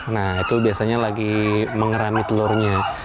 nah itu biasanya lagi mengerami telurnya